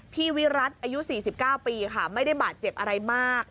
วิรัติอายุ๔๙ปีค่ะไม่ได้บาดเจ็บอะไรมาก